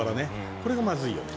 これがまずいよね。